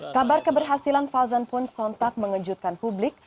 kabar keberhasilan fauzan pun sontak mengejutkan publik